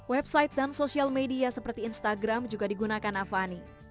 website dan social media seperti instagram juga digunakan avani